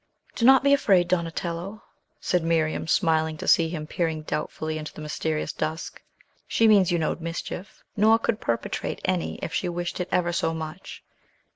"Do not be afraid, Donatello," said Miriam, smiling to see him peering doubtfully into the mysterious dusk. "She means you no mischief, nor could perpetrate any if she wished it ever so much.